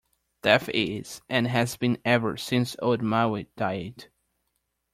Death is and has been ever since old Maui died.